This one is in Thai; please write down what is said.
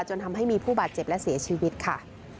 จนทำให้มีผู้บาดเจ็บและเสียชีวิตค่ะ